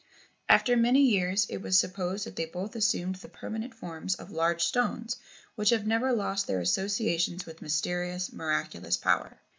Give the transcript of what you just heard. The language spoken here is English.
After many years it was supposed that they both assumed the permanent forms of large stones which have never lost their associations with mysterious, miraculous power.